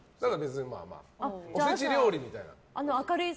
おせち料理みたいな。